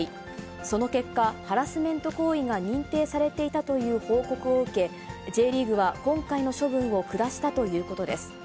その結果、ハラスメント行為が認定されていたという報告を受け、Ｊリーグは今回の処分を下したということです。